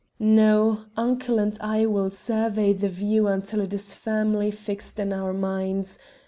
"No; uncle and I will survey the view until it is firmly fixed in our minds.